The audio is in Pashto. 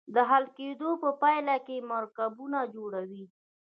د حل کیدو په پایله کې مرکبونه جوړوي.